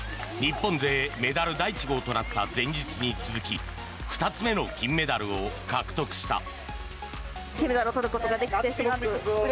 日本勢メダル第１号となった前日に続き２つ目の金メダルを獲得した。